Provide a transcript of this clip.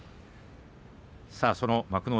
その幕内